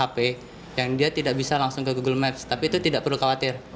ada beberapa hp yang tidak bisa langsung ke google maps tapi tidak perlu khawatir